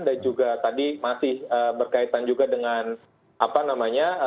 dan juga tadi masih berkaitan juga dengan apa namanya